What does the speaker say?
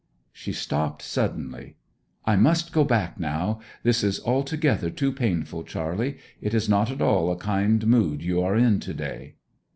She stopped suddenly. 'I must go back now this is altogether too painful, Charley! It is not at all a kind mood you are in to day.'